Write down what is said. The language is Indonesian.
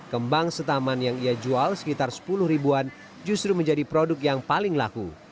kembang setaman yang ia jual sekitar sepuluh ribuan justru menjadi produk yang paling laku